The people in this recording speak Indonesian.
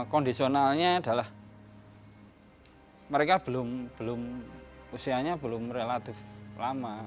kondisionalnya adalah mereka belum usianya belum relatif lama